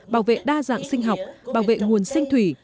bảo vệ đa dạng sinh học bảo vệ nguồn sinh thủy